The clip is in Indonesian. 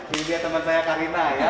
ini dia teman saya karina ya